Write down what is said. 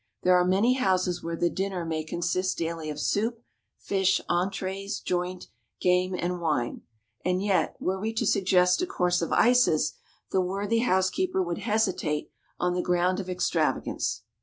There are many houses where the dinner may consist daily of soup, fish, entrees, joint, game, and wine, and yet, were we to suggest a course of ices, the worthy housekeeper would hesitate on the ground of extravagance.